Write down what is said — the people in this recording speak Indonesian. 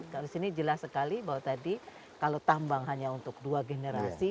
kalau di sini jelas sekali bahwa tadi kalau tambang hanya untuk dua generasi